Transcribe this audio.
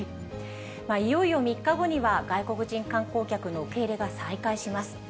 いよいよ３日後には、外国人観光客の受け入れが再開します。